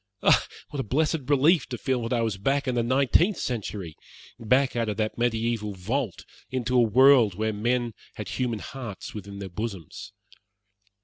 Oh, what a blessed relief to feel that I was back in the nineteenth century back out of that mediaeval vault into a world where men had human hearts within their bosoms.